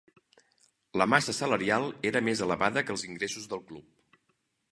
La massa salarial era més elevada que els ingressos del club.